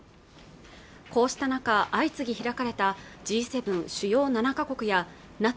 こうした中相次ぎ開かれたＧ７＝主要７か国やＮＡＴＯ＝北